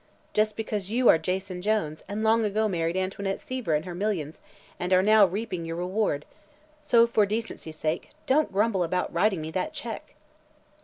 Just because you are Jason Jones and long ago married Antoinette Seaver and her millions and are now reaping your reward! So, for decency's sake, don't grumble about writing me that check."